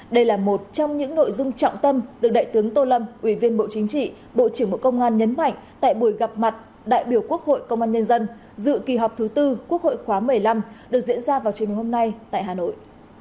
đây là một trong những nội dung trọng tâm được đại tướng tô lâm ủy viên bộ chính trị bộ trưởng bộ công an nhấn mạnh tại buổi gặp mặt đại biểu quốc hội công an nhân dân dự kỳ họp thứ tư quốc hội khóa một mươi năm được diễn ra vào trường hôm nay tại hà nội